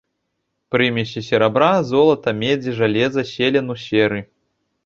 Прымесі серабра, золата, медзі, жалеза, селену, серы.